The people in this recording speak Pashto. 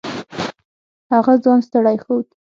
هغه ځان ستړی ښود.